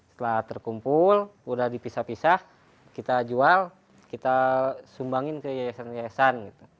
setelah terkumpul sudah dipisah pisah kita jual kita sumbangin ke yayasan yayasan